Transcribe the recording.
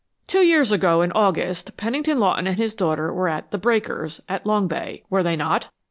"Two years ago, in August, Pennington Lawton and his daughter were at 'The Breakers,' at Long Bay, were they not?"